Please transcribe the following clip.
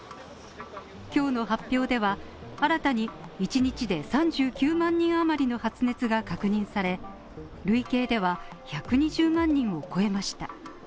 今日の発表では、新たに一日で３９万人余りの発熱が確認され、累計では１２０万人を超えました。